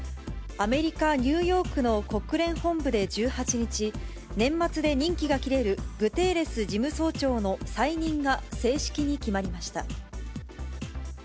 アメリカ・ニューヨークの国連本部で１８日、年末で任期が切れるグテーレス事務総長の再任が正式に決まりました。